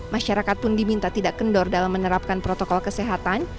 masyarakat pun diminta tidak kendor dalam menerapkan protokol kesehatan